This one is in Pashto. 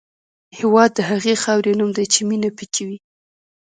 هېواد د هغې خاورې نوم دی چې مینه پکې وي.